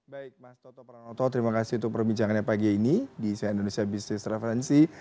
baik mas toto pranoto terima kasih untuk perbincangannya pagi ini di sma indonesia business referensi